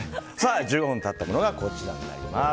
１５分経ったものがこちらです。